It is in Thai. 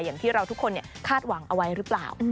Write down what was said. อย่างที่เราทุกคนคาดหวังเอาไว้หรือเปล่า